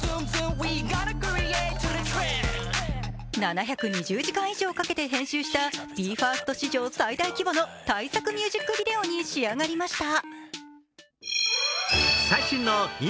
７２０時間以上かけて編集したＢＥ：ＦＩＲＳＴ史上最大規模の大作ミュージックビデオに仕上がりました。